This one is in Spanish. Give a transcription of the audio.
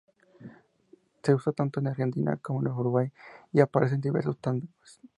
Se usa tanto en Argentina como en Uruguay y aparece en diversos tangos.